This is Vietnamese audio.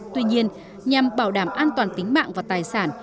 tuy nhiên nhằm bảo đảm an toàn tính mạng và tài sản